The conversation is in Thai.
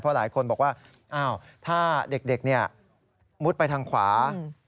เพราะหลายคนบอกว่าถ้าเด็กมุดไปทางขวา